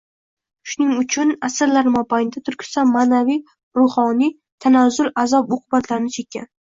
Shuning uchun asrlar mobaynida Turkiston ma’naviy-ruhoniy tanazzul azob-uqubatlarini chekkan.